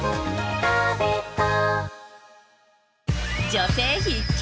女性必見。